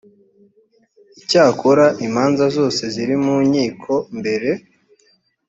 icyakora imanza zose ziri mu nkiko mbere